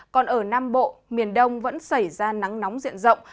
còn ở nam bộ miền đông vẫn xảy ra nắng nóng diện rộng